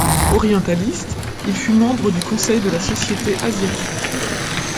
Orientaliste, il fut membre du conseil de la Société Asiatique.